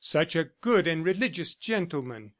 Such a good and religious gentleman!